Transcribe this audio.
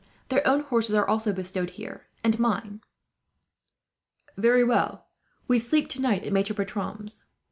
Their own horses are also bestowed here, and mine." "Very well. We sleep tonight at Maitre Bertram's."